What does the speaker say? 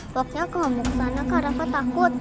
waktunya kamu kesana kak rafa takut